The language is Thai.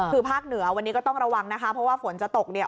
คือภาคเหนือวันนี้ก็ต้องระวังนะคะเพราะว่าฝนจะตกเนี่ย